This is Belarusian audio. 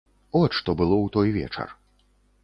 От што было ў той вечар.